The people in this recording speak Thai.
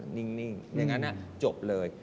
นิ่งอย่างนั้นจบเลย